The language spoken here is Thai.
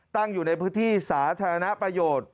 ตั้งอยู่ในพื้นที่สาธารณประโยชน์